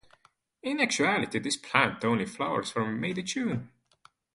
In actuality, this plant only flowers from May to June.